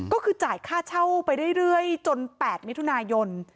ก็คือจ่ายค่าเช่าไปเรื่อยจน๘มิถุนายน